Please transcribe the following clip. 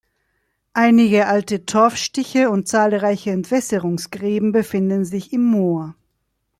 Einige alte Torfstiche und zahlreiche Entwässerungsgräben befinden sich im Moor.